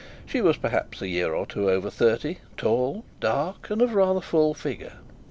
She was, perhaps, a year or two over thirty, tall, dark, and of rather full figure.